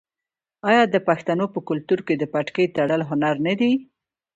آیا د پښتنو په کلتور کې د پټکي تړل هنر نه دی؟